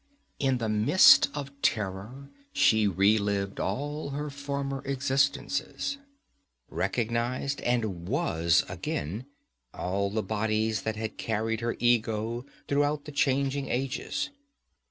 In a mist of terror she relived all her former existences, recognized and was again all the bodies that had carried her ego throughout the changing ages.